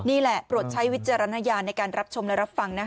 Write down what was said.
นี่แหละโปรดใช้วิจารณญาณในการรับชมและรับฟังนะคะ